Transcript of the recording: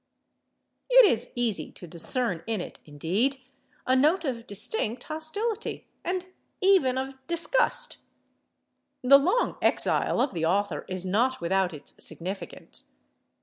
It is easy to discern in it, indeed, a note of distinct hostility, and even of disgust. The long exile of the author is not without its significance.